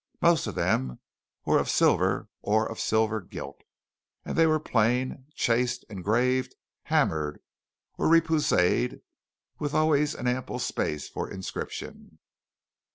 Most of them were of silver or of silver gilt; and they were plain, chased, engraved, hammered, or repousséd, with always an ample space for inscription.